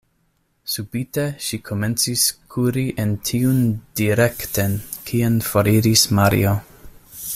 Subite ŝi komencis kuri en tiun direkten, kien foriris Mario.